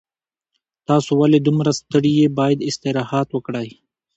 تاسو ولې دومره ستړي یې باید استراحت وکړئ